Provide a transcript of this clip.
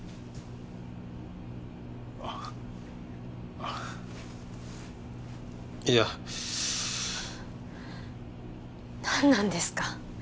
あっあっいや何なんですか？